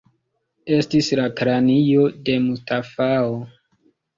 Estis la kranio de Mustafao.